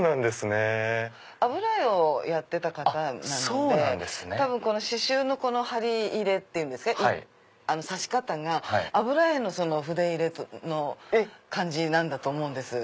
油絵をやってた方なので多分刺繍の針入れ刺し方が油絵の筆入れの感じなんだと思うんです。